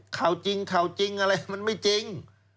ข่าวจริงข่าวจริงอะไรมันไม่จริง